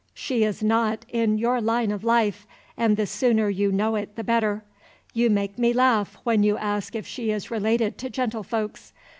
She is not in your line of life, and the sooner you know it the better. You make me laugh when you ask if she is related to gentlefolks.